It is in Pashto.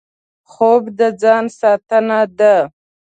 خوب د ځان ساتنه ده